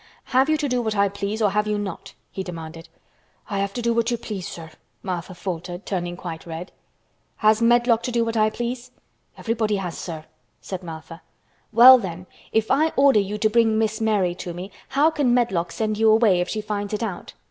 "Have you to do what I please or have you not?" he demanded. "I have to do what you please, sir," Martha faltered, turning quite red. "Has Medlock to do what I please?" "Everybody has, sir," said Martha. "Well, then, if I order you to bring Miss Mary to me, how can Medlock send you away if she finds it out?"